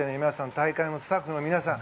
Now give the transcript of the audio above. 大会のスタッフの皆さん